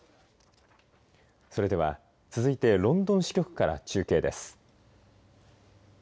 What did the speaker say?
それでは、続いてロンドン支局から中継です。